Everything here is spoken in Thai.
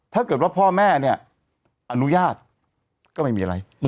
ถ้าเกิดว่าพ่อแม่เนี่ยอนุญาตก็ไม่มีอะไร